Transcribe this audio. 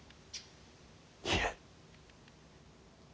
いえ。